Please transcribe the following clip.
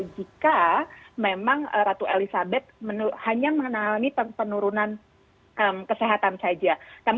jika memang ratu elizabeth hanya mengalami penurunan kesehatan saja